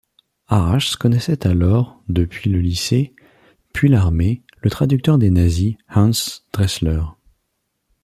Arājs connaissait alors, depuis le lycée, puis l'armée, le traducteur des nazis, Hans Dressler.